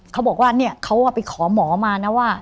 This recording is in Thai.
เขาบอกว่าเนี่ยเขาไปขอหมอมานะว่า